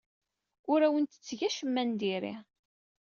Ur awent-tetteg acemma n diri.